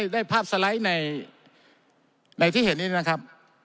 ได้ภาพสไลด์ในที่เห็นนี้นะครับ